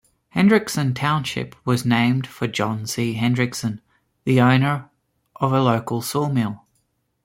Hendrickson Township was named for John C. Hendrickson, the owner of a local sawmill.